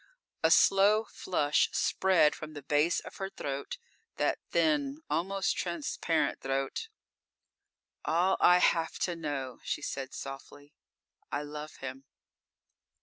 A slow flush spread from the base of her throat, that thin, almost transparent throat. "All I have to know," she said softly. "I love him."